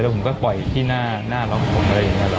แล้วผมก็ปล่อยที่หน้าล็อกผมอะไรอย่างนี้แหละ